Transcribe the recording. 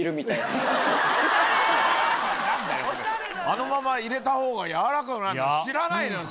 あのまま入れたほうが軟らかくなるの。